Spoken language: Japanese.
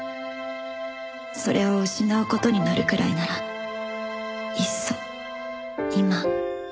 「それを失う事になるくらいならいっそ今一緒に」